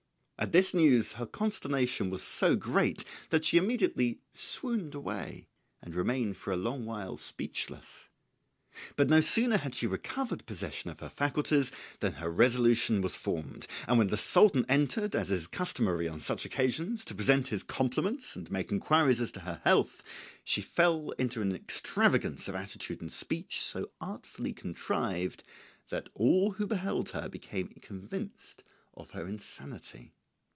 At this news her consternation was so great that she immediately swooned away, and remained for a long while speechless. But no sooner had she recovered possession of her faculties than her resolution was formed, and when the Sultan entered, as is customary on such occasions, to present his compliments and make inquiries as to her health, she fell into an extravagance of attitude and speech, so artfully contrived that all who beheld her became convinced of her insanity.